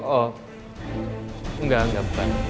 oh enggak enggak bukan bukan apa apa